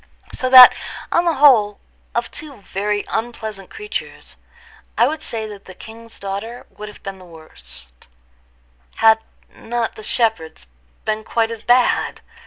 So that, on the whole, of two very unpleasant creatures, I would say that the king's daughter would have been the worse, had not the shepherd's been quite as bad.